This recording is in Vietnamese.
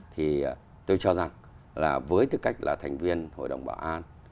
thì tôi cho rằng là với tư cách là thành viên hội đồng bảo an